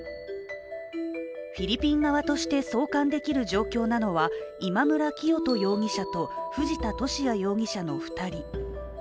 フィリピン側として送還できる状況なのは今村磨人容疑者と藤田聖也容疑者の２人。